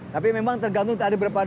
tapi memang tergantung ada berapa banyak